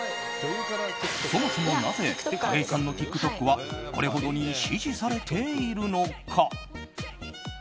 そもそも、なぜ景井さんのＴｉｋＴｏｋはこれほどに支持されているのか。